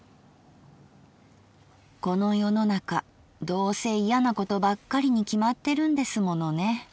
「この世の中どうせ嫌なことばっかりに決まってるんですものね。